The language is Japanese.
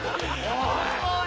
おい！